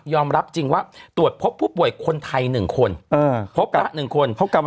ยอมรับจริงว่าตรวจพบผู้ป่วยคนไทยหนึ่งคนเออพบละหนึ่งคนเขากลับมา